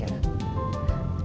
dia anaknya baik very loyal setia